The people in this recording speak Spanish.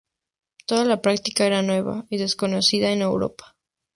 Toda la práctica era nueva y desconocida en Europa.